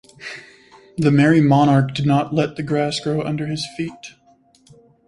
The Merry Monarch did not let the grass grow under his feet.